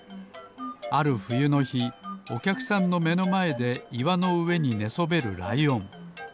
あるふゆのひおきゃくさんのめのまえでいわのうえにねそべるライオン。